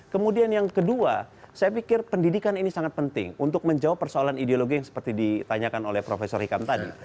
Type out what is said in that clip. kemudian yang kedua saya pikir pendidikan ini sangat penting untuk menjawab persoalan ideologi yang seperti ditanyakan oleh prof hikam tadi